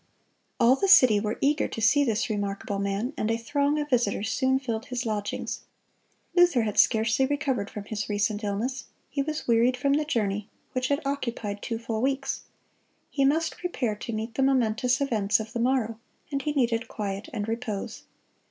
All the city were eager to see this remarkable man, and a throng of visitors soon filled his lodgings. Luther had scarcely recovered from his recent illness; he was wearied from the journey, which had occupied two full weeks; he must prepare to meet the momentous events of the morrow, and he needed quiet and repose.